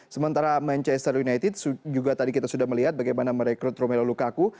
sementara manchester united juga tadi kita sudah melihat bagaimana merekrut romelo lukaku